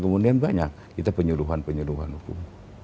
kemudian banyak penyeluruhan penyeluruhan hukum